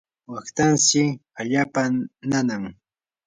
waqtanshi allaapa nanan.